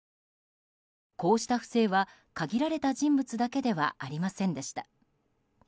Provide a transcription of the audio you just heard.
こうした不正は限られた人物だけではありませんでした。